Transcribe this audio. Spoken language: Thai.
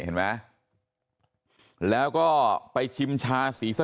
นิเห็นไหม